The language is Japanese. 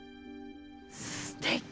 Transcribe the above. すてき！